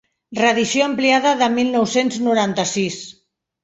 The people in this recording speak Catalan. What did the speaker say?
Reedició ampliada el mil nou-cents noranta-sis.